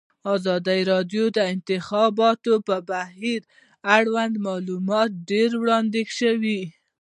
په ازادي راډیو کې د د انتخاباتو بهیر اړوند معلومات ډېر وړاندې شوي.